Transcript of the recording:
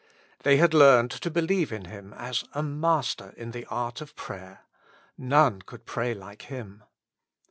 They had learned to believe in Him as a Master in the art of prayer — none could pray like Him.